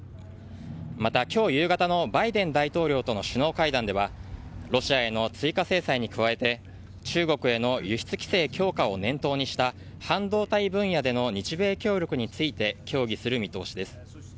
また、今日夕方のバイデン大統領との首脳会談ではロシアへの追加制裁に加えて中国への輸出規制強化を念頭にした半導体分野での日米協力について協議する見通しです。